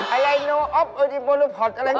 อัลไนโนออฟเออดิโบรูพอร์ตอะไรแน่